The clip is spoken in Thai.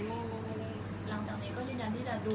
อันไหนที่มันไม่จริงแล้วอาจารย์อยากพูด